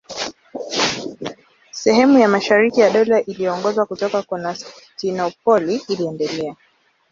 Sehemu ya mashariki ya Dola iliyoongozwa kutoka Konstantinopoli iliendelea.